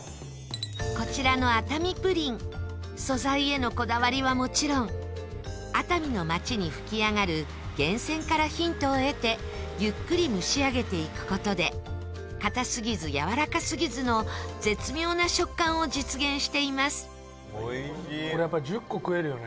こちらの熱海プリン素材へのこだわりはもちろん熱海の街に吹き上がる源泉からヒントを得てゆっくり蒸し上げていく事で固すぎず、やわらかすぎずの絶妙な食感を実現しています１０個、食えるよね。